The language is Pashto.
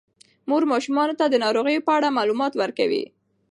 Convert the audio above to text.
مور ماشومانو ته د ناروغیو په اړه معلومات ورکوي.